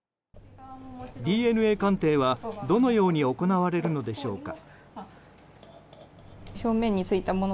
ＤＮＡ鑑定は、どのように行われるのでしょうか？